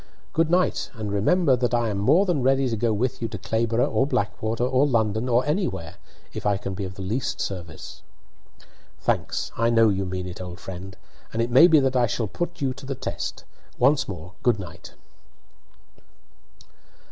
"Good night, and remember that I am more than ready to go with you to Clayborough or Blackwater or London or anywhere, if I can be of the least service." "Thanks! I know you mean it, old friend, and it may be that I shall put you to the test. Once more, good night."